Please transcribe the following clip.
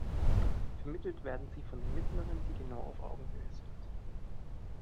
Vermittelt werden sie von den mittleren, die genau auf Augenhöhe sind.